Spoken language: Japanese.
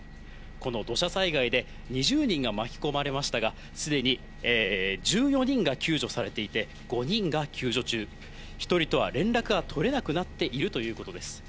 この土砂災害で２０人が巻き込まれましたが、すでに１４人が救助されていて、５人が救助中、１人とは連絡が取れなくなっているということです。